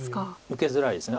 受けづらいです。